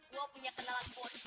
gue punya kenalan bos